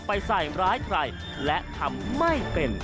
ใส่ร้ายใครและทำไม่เป็น